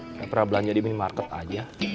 nggak pernah belanja di minimarket aja